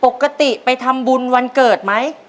ปกติไปทำบุญวันเกิดไหม